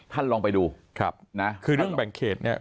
ท่านลองไปดูคือเรื่องแบ่งเขตเนี่ย